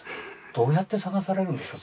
どうやって捜されるんですか？